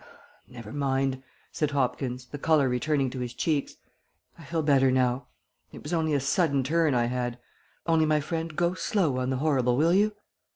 "Never mind," said Hopkins, the colour returning to his cheeks, "I feel better now. It was only a sudden turn I had; only, my friend, go slow on the horrible, will you?"